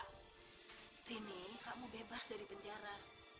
rini kamu bebas dari penjara